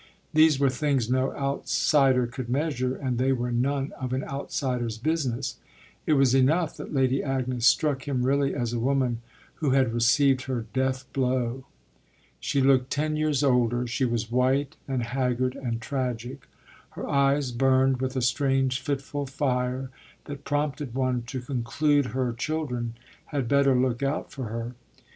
These were things no outsider could measure, and they were none of an outsider's business; it was enough that Lady Agnes struck him really as a woman who had received her death blow. She looked ten years older; she was white and haggard and tragic. Her eyes burned with a strange fitful fire that prompted one to conclude her children had better look out for her.